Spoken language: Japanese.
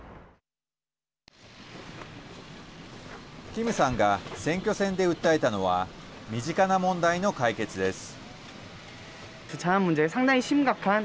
キムさんが選挙戦で訴えたのは身近な問題の解決です。